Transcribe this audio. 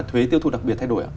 thuế tiêu thu đặc biệt thay đổi ạ